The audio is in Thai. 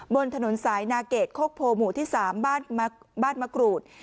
บนถนนสายนาเกดโคกโพหมู่ที่๓บ้านมะกรูด